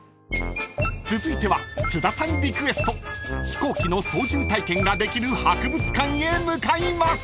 ［続いては津田さんリクエスト飛行機の操縦体験ができる博物館へ向かいます］